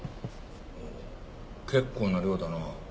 結構な量だな。